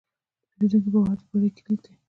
د پیرودونکي باور د بری کلید دی.